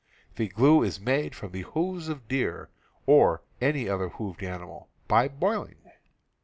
The glue is made from the hoofs of deer, or any other hoofed animals, by boiling.